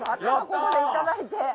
ちょっとここでいただいて。